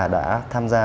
đã tham gia